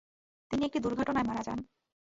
তিনি একটি দুর্ঘটনায় মারা যান।